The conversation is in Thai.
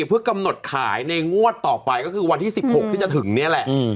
เพื่อกำหนดขายในงวดต่อไปก็คือวันที่๑๖ที่จะถึงนี่แหละ